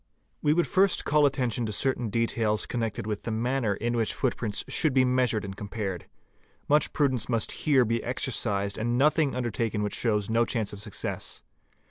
We would first call attention to certain details connected with the manner in which footprints should be measured and compared. Much — prudence must here be exercised and nothing undertaken which shows no chance of success.